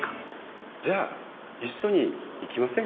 じゃあ一緒に行きませんか。